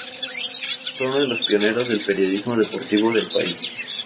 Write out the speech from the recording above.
Fue de los pioneros del periodismo deportivo del país.